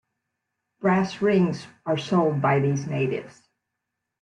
Brass rings are sold by these natives.